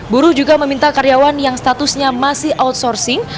buruh juga meminta karyawan yang statusnya masih outsourcing